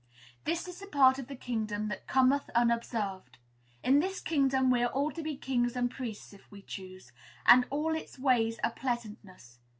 This is part of the kingdom that cometh unobserved. In this kingdom we are all to be kings and priests, if we choose; and all its ways are pleasantness.